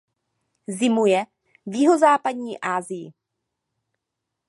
Zimuje v jihozápadní Asii.